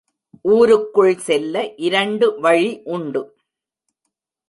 ஊருக்குள் செல்ல இரண்டு வழி உண்டு.